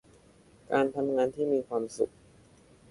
การทำงานที่มีความสุข